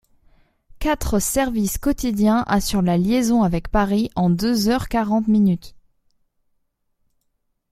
Quatre services quotidiens assurent la liaison avec Paris en deux heures quarante minutes.